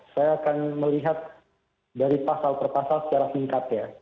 saya akan melihat dari pasal per pasal secara singkat ya